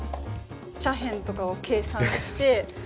斜辺とかを計算して。